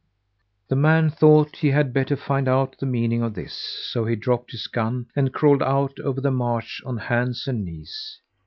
The man thought he had better find out the meaning of this, so he dropped his gun and crawled out over the marsh on hands and knees.